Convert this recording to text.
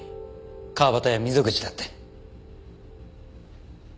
川端や溝口だって。